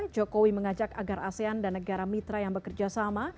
jokowi mengajak agar asean dan negara mitra yang bekerja sama